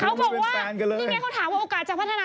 เขาบอกว่านี่ไงเขาถามว่าโอกาสจะพัฒนา